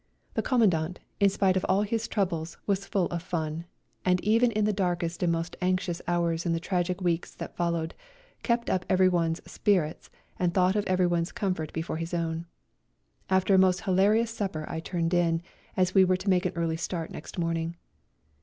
The Commandant, in spite of all his troubles, was full of fun, and even in the darkest and most anxious hours in the tragic weeks that followed kept up every one's spirits and thought of everyone's comfort before his own. After a most hilarious supper I turned in, as we were to make an early start next morning.